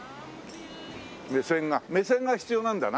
目線が目線が必要なんだな。